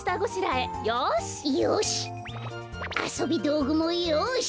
あそびどうぐもよし！